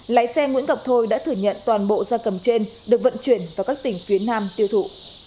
lái xe nguyễn ngọc thôi đã thừa nhận toàn bộ da cầm trên được vận chuyển vào các tỉnh phía nam tiêu thụ